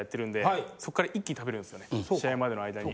試合までの間に。